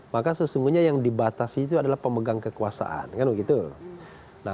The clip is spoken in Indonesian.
maka sesungguhnya yang dibatasi itu adalah pemegang kekuasaan